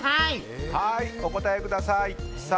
お答えください。